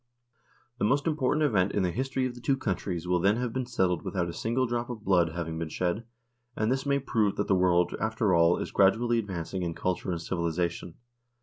The most important event in the history of the two countries will then have been settled without a single drop of blood having been shed, and this may prove that the world, after all, is gradually advancing in culture and civilisation.